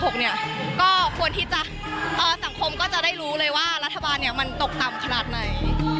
ก็ควรที่จะสังคมก็จะได้รู้เลยว่ารัฐบาลมันตกต่ำขนาดไหน